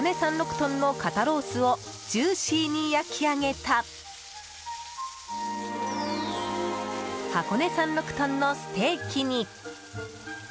豚の肩ロースをジューシーに焼き上げた箱根山麓豚のステーキに。